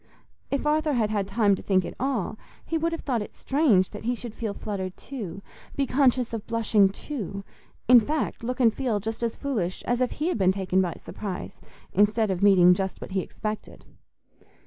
If Arthur had had time to think at all, he would have thought it strange that he should feel fluttered too, be conscious of blushing too—in fact, look and feel as foolish as if he had been taken by surprise instead of meeting just what he expected.